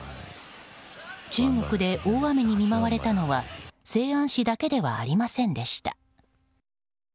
中国で大雨に見舞われたのは西安市だけではありませんでした。